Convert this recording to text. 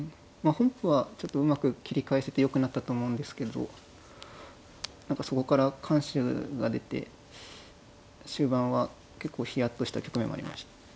本譜はちょっとうまく切り返せてよくなったと思うんですけれど何かそこから緩手が出て終盤は結構ヒヤッとした局面もありました。